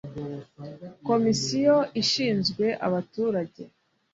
komisiyo ishinzwe abaturage